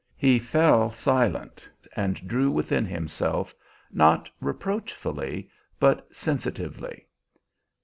He fell silent and drew within himself, not reproachfully, but sensitively.